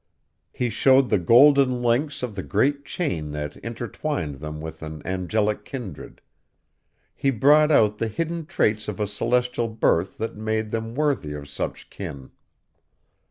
He showed the golden links of the great chain that intertwined them with an angelic kindred; he brought out the hidden traits of a celestial birth that made them worthy of such kin.